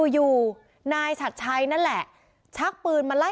อยู่นายชัดชัยนะแหละ